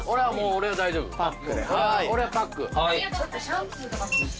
俺はパック。